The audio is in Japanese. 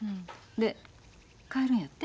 で帰るんやって？